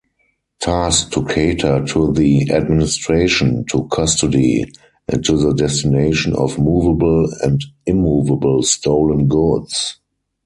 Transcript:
Task to cater to the administration, to custody, and to the destination of moveable and immoveable stolen goods.